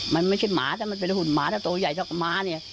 มันไม่ใช่หุ่นหมาถ้าโตใหญ่เท่ากับหมานี่